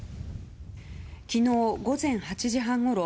昨日午前８時半ごろ